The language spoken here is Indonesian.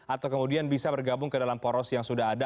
atau kemudian bisa bergabung ke dalam poros yang sudah ada